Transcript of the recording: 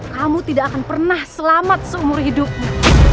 kamu tidak akan pernah selamat seumur hidupnya